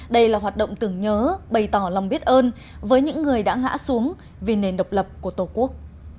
đây là hoạt động tưởng nhớ bày tỏ lòng biết ơn với những người đã ngã xuống vì nền độc lập của tổ quốc